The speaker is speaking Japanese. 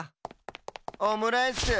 オムライスん？